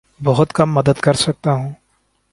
بہت کم مدد کر سکتا ہوں